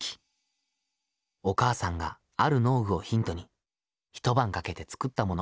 お母さんがある農具をヒントに一晩かけて作ったもの。